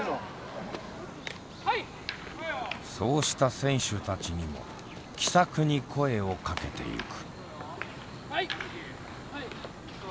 そうした選手たちにも気さくに声をかけていく。